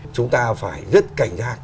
chúng ta phải rất cảnh giác